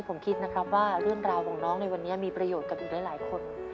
ผมคิดนะครับว่าเรื่องราวของน้องในวันนี้มีประโยชน์กับอีกหลายคน